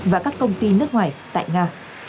và các công ty nước ngoài tại nga